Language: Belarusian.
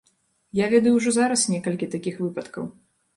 Я ведаю ўжо зараз некалькі такіх выпадкаў.